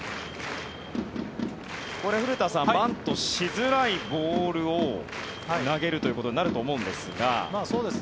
古田さんバントしづらいボールを投げるということになると思うんですが。